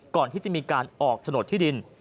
ก่อนที่จะมีการออกโฉนดที่ดิน